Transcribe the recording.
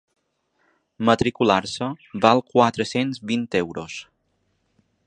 Matricular-se val quatre-cents vint euros.